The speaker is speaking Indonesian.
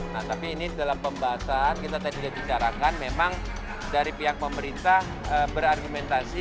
nah tapi ini dalam pembahasan kita tadi sudah bicarakan memang dari pihak pemerintah berargumentasi